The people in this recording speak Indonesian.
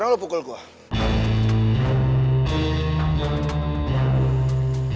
bang kubar selesai liat